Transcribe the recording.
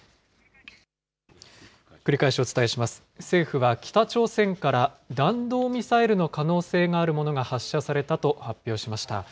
政府は北朝鮮から弾道ミサイルの可能性があるものが発射されたと発表しました。